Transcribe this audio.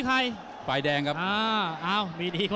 น้ำเงินรอโต